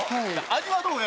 「味はどうや」